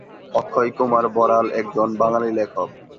অক্ষয়কুমার বড়াল একজন বাঙালি লেখক।